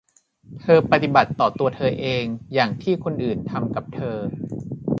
เธอปฏิบัติต่อตัวเธอเองอย่างที่คนอื่นทำกับเธอ